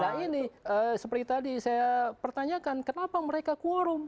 nah ini seperti tadi saya pertanyakan kenapa mereka quorum